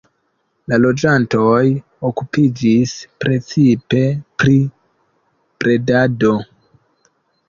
La loĝantoj okupiĝis precipe pri bredado.